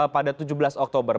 pada tujuh belas oktober